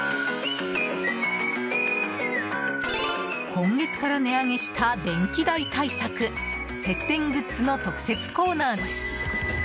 今月から値上げした電気代対策節電グッズの特設コーナーです。